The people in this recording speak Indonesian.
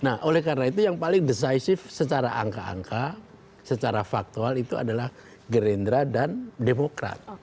nah oleh karena itu yang paling decisive secara angka angka secara faktual itu adalah gerindra dan demokrat